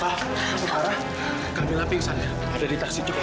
pak apa kearah kamila pingsan ada di taksi juga